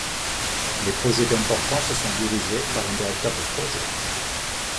Les projets d'importance sont dirigés par un directeur de projet.